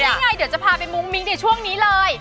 เพราะนี่ไงเดี๋ยวจะพาไปหงุ้งมิ้งเจ๋วช่วงนี้เลย